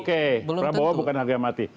oke prabowo bukan harga mati